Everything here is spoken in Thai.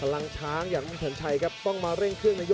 แล้วก็กดไปกดมาเนี่ย